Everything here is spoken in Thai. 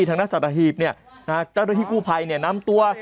ทางด้านสัตหีบเจ้าหน้าที่กู้ภัยนำตัว